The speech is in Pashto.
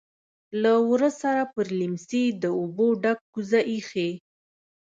لهٔ ورهٔ سره پر لیمڅي د اوبو ډکه کوزه ایښې.